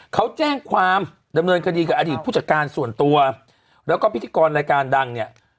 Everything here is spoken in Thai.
เขาแจ้งความดำเนินคดีกับอดีตผู้จัดการส่วนตัวแล้วก็พิธีกรรายการดังเนี่ย